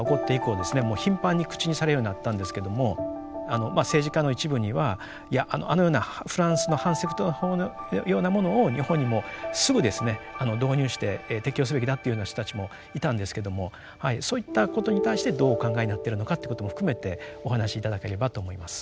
もう頻繁に口にされるようになったんですけども政治家の一部には「いやあのようなフランスの反セクト法のようなものを日本にもすぐですね導入して適用すべきだ」っていうような人たちもいたんですけどもはいそういったことに対してどうお考えになってるのかってことも含めてお話し頂ければと思います。